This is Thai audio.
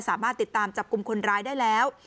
สามารถติดตามจับกลุ่มคนร้ายได้แล้ว